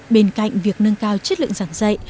bên cạnh việc nâng cao chất lượng giảng dạy